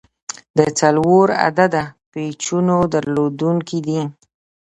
د څلور عدده پیچونو درلودونکی دی.